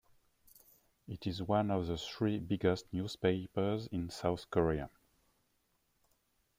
It is one of the three biggest newspapers in South Korea.